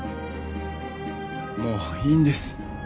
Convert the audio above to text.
もういいんです。